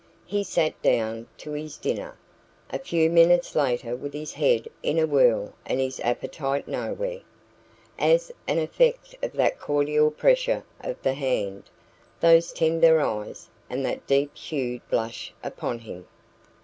He sat down to his dinner a few minutes later with his head in a whirl and his appetite nowhere, as an effect of that cordial pressure of the hand, those tender eyes, and that deep hued blush upon him.